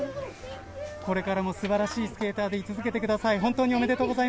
これからもすばらしいスケーターでい続けてください。